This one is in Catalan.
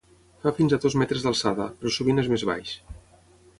Fa fins a dos metres d'alçada, però sovint és més baix.